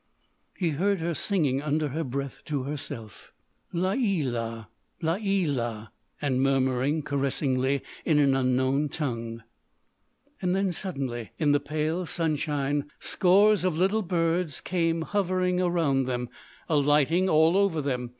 He heard her singing under her breath to herself: "La ē la! La ē la!" and murmuring caressingly in an unknown tongue. Then, suddenly in the pale sunshine, scores of little birds came hovering around them, alighting all over them.